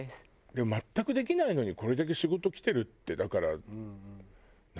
でも全くできないのにこれだけ仕事来てるってだからなんだろうね。